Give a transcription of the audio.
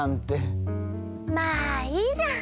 まあいいじゃん！